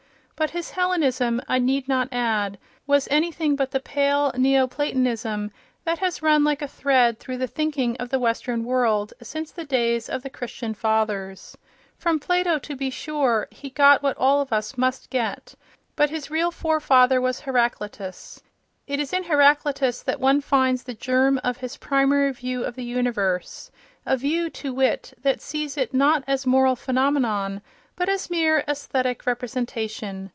But his Hellenism, I need not add, was anything but the pale neo Platonism that has run like a thread through the thinking of the Western world since the days of the Christian Fathers. From Plato, to be sure, he got what all of us must get, but his real forefather was Heraclitus. It is in Heraclitus that one finds the germ of his primary view of the universe—a view, to wit, that sees it, not as moral phenomenon, but as mere aesthetic representation.